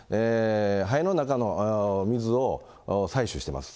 肺の中の水を採取しています。